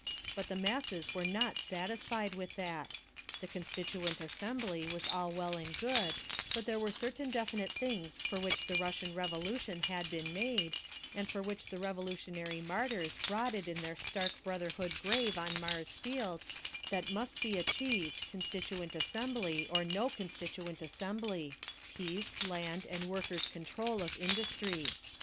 But the masses were not satisfied with that. The Constituent Assembly was all well and good; but there were certain definite things for which the Russian Revolution had been made, and for which the revolutionary martyrs rotted in their stark Brotherhood Grave on Mars Field, that must be achieved Constituent Assembly or no Constituent Assembly: Peace, Land, and Workers' Control of Industry.